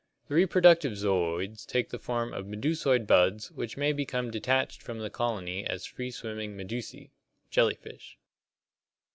The reproductive zooids take the form of medusoid buds which may become detached from the colony as free swimming medusas (Gr. MeSoixra, Medusa) (jellyfish).